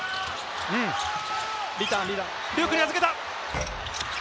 ルークに預けた。